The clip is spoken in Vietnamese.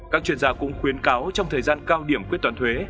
các chuyên gia cũng khuyến cáo trong thời gian cao điểm quyết toán thuế